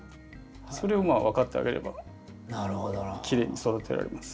それを分かってあげればきれいに育てられます。